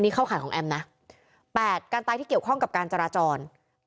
๘การตายที่เกี่ยวข้องกับการจราจร